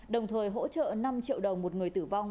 đồng thời hỗ trợ năm triệu đồng một người tử vong